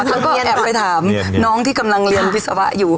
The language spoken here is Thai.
แล้วก็ยังแอบไปถามน้องที่กำลังเรียนวิศวะอยู่